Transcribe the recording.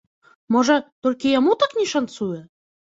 Можа, толькі яму так не шанцуе?